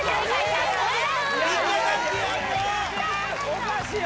おかしい